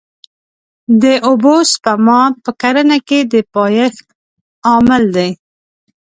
د اوبو سپما په کرنه کې د پایښت عامل دی.